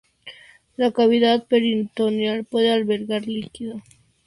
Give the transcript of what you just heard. La cavidad peritoneal puede albergar líquido.